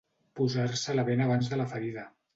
Posar-se la bena abans de la ferida.